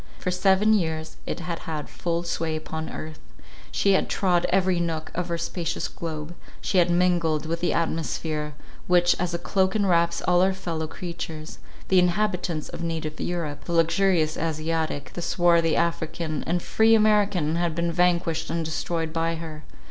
For seven years it had had full sway upon earth; she had trod every nook of our spacious globe; she had mingled with the atmosphere, which as a cloak enwraps all our fellow creatures—the inhabitants of native Europe—the luxurious Asiatic—the swarthy African and free American had been vanquished and destroyed by her.